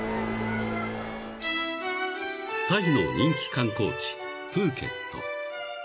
［タイの人気観光地プーケット］